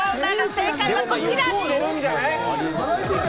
正解はこちら！